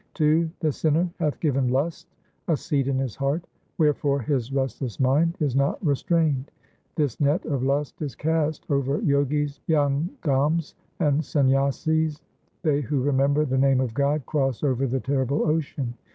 II The sinner hath given lust a seat in his heart ; 1 Wherefore his restless mind is not restrained. This net of lust is cast Over Jogis, Jangams, and Sanyasis. They who remember the name of God Cross over the terrible ocean.